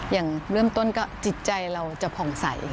อย่างเริ่มต้นก็จิตใจเราจะผ่องใส